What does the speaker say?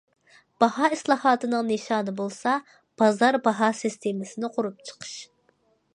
باھا ئىسلاھاتىنىڭ نىشانى بولسا بازار باھا سىستېمىسىنى قۇرۇپ چىقىش.